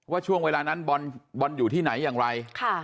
ว่าช่วงเวลานั้นบอลอยู่ที่ไหนอย่างไร